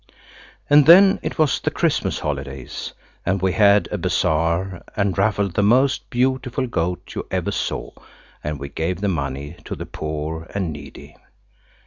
And then it was the Christmas holidays–and we had a bazaar and raffled the most beautiful goat you ever saw, and we gave the money to the poor and needy.